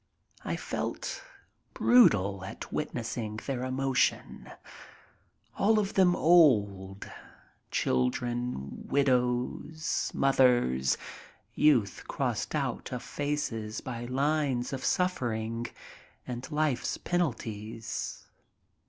I felt brutal at witnessing their emotion. All of them old. Children, widows, mothers — youth crossed out of faces by lines of suffering and life's penalties.